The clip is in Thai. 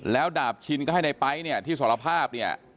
แล้วดาบชินก็ให้ในไป๊ต์ที่สรภาพ